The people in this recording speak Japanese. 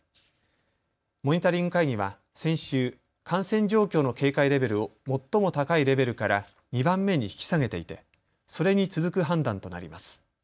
モニタリング会議は先週、感染状況の警戒レベルを最も高いレベルから２番目に引き下げていてそれに続く判断となります。